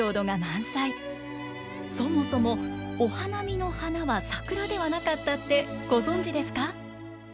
そもそもお花見の花は桜ではなかったってご存じですか？